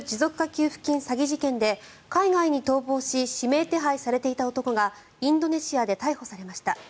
給付金詐欺事件で海外に逃亡し指名手配されていた男がインドネシアで逮捕されました。